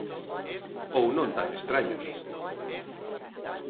Ou non tan estraños.